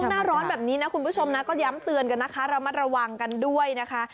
หน้าร้อนแบบนี้นะคุณผู้ชมนะก็ย้ำเตือนกันนะคะระมัดระวังกันด้วยนะคะ